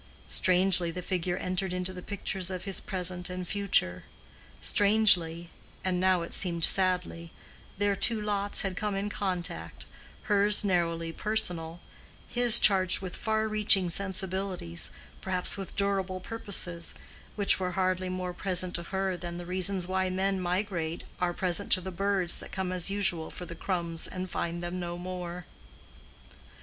Strangely the figure entered into the pictures of his present and future; strangely (and now it seemed sadly) their two lots had come in contact, hers narrowly personal, his charged with far reaching sensibilities, perhaps with durable purposes, which were hardly more present to her than the reasons why men migrate are present to the birds that come as usual for the crumbs and find them no more.